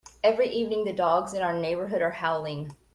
Every evening, the dogs in our neighbourhood are howling.